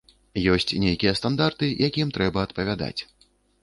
Ёсць нейкія стандарты, якім трэба адпавядаць.